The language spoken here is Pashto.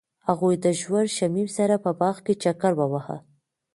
هغوی د ژور شمیم سره په باغ کې چکر وواهه.